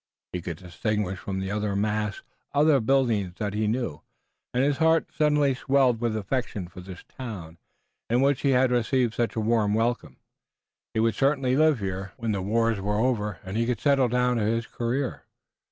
He could distinguish from the mass other buildings that he knew, and his heart suddenly swelled with affection for this town, in which he had received such a warm welcome. He would certainly live here, when the wars were over, and he could settle down to his career.